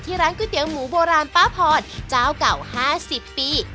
ที่ร้านก๋วยเตี๋ยงหมูโบราณป้าพรจ้าวเก่าห้าสิบปี